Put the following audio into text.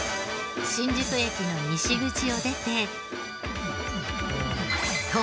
新宿駅の西口を出て。